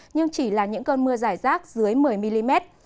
nhưng chỉ là những cơn mưa giải rác dưới một mươi mm